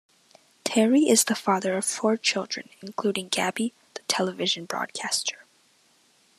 Terry is the father of four children, including Gabby, the television broadcaster.